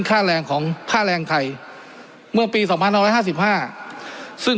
ค่าแรงของค่าแรงไทยเมื่อปีสองพันห้าห้าสิบห้าซึ่ง